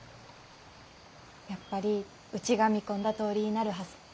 やっぱりうちが見込んだとおりになるはず。